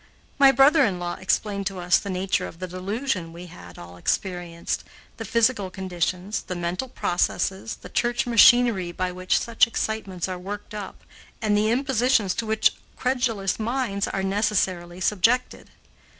My brother in law explained to us the nature of the delusion we had all experienced, the physical conditions, the mental processes, the church machinery by which such excitements are worked up, and the impositions to which credulous minds are necessarily subjected.